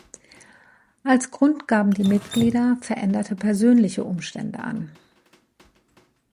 Als Grund gaben die Mitglieder veränderte persönliche Umstände an.